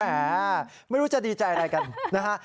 ไม่รู้จะดีใจอะไรกันนะฮะ